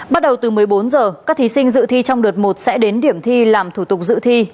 bắt đầu từ một mươi bốn h các thí sinh dự thi trong đợt một sẽ đến điểm thi làm thủ tục dự thi